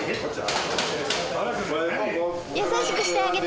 優しくしてあげて！